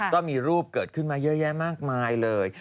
ก็มีรูปเกิดขึ้นมาเยอะแยะมากมายเลย